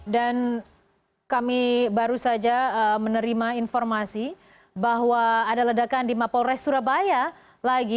dan kami baru saja menerima informasi bahwa ada ledakan di mapolres surabaya lagi